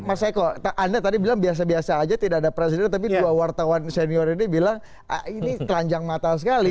mas eko anda tadi bilang biasa biasa aja tidak ada presiden tapi dua wartawan senior ini bilang ini telanjang mata sekali